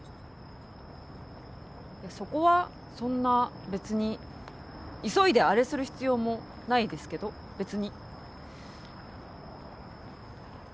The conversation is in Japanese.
いやそこはそんなべつに急いであれする必要もないですけどべつに。